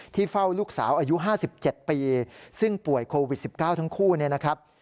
เฝ้าลูกสาวอายุ๕๗ปีซึ่งป่วยโควิด๑๙ทั้งคู่เนี่ยนะครับ